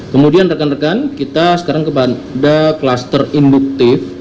kemudian rekan rekan kita sekarang ke kluster induktif